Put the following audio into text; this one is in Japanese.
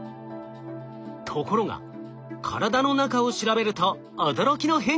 ところが体の中を調べると驚きの変化がありました。